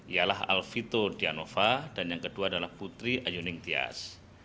ialah alvito dianova dan yang kedua adalah putri ayuning tias